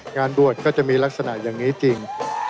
งานบวชก็จะมีลักษณะอย่างนี้จริง